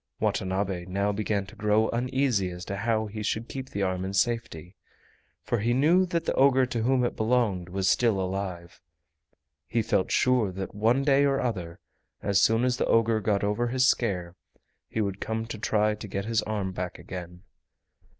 Watanabe now began to grow uneasy as to how he should keep the arm in safety, for he knew that the ogre to whom it belonged was still alive. He felt sure that one day or other, as soon as the ogre got over his scare, he would come to try to get his arm back again.